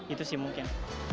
itu sih mungkin